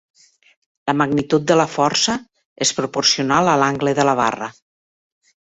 La magnitud de la força és proporcional a l'angle de la barra.